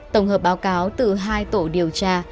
tổng hợp báo cáo từ hai tổ điều tra